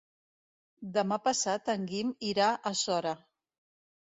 Demà passat en Guim irà a Sora.